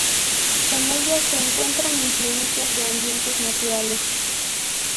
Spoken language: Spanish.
En ella, se encuentran influencias de ambientes naturales.